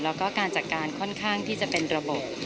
แล้วก็การจัดการค่อนข้างที่จะเป็นระบบ